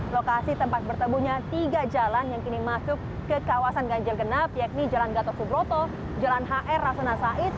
lokasi tempat bertemunya tiga jalan yang kini masuk ke kawasan ganjil genap yakni jalan gatot subroto jalan hr rasuna said